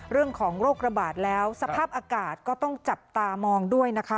โรคระบาดแล้วสภาพอากาศก็ต้องจับตามองด้วยนะคะ